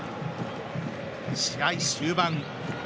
試合終盤。